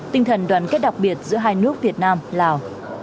tinh thần đoàn kết đặc biệt giữa hai nước việt nam lào